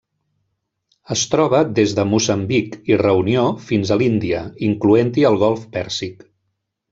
Es troba des de Moçambic i Reunió fins a l'Índia, incloent-hi el Golf Pèrsic.